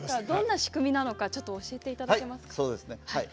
どんな仕組みなのかちょっと教えていただけますか？